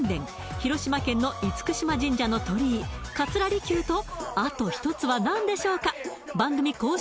広島県の厳島神社の鳥居桂離宮とあと一つは何でしょうか番組公式